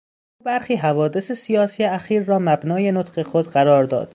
او برخی حوادث سیاسی اخیر را مبنای نطق خود قرار داد.